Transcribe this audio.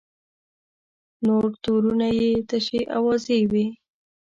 نور تورونه یې تشې اوازې وې.